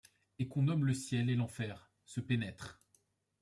Et qu’on nomme le ciel et l’enfer, se pénètre ;